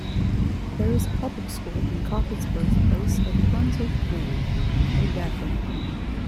There is a public school in Coffin's birthplace of Brunswick, Maine, named after him.